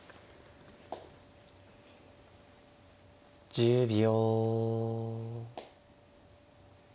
１０秒。